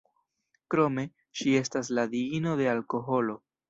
Krome, ŝi estas la diino de alkoholo.